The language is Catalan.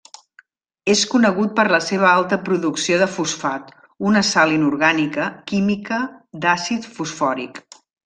És conegut per la seva alta producció de fosfat, una sal inorgànica química d'àcid fosfòric.